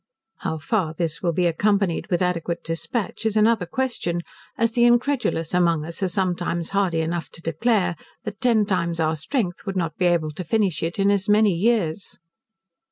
How far this will be accompanied with adequate dispatch, is another question, as the incredulous among us are sometimes hardy enough to declare, that ten times our strength would not be able to finish it in as many years.